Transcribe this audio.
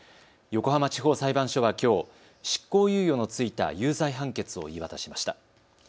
横浜地方裁判所はきょう執行猶予の付いた有罪判決を言い渡しました。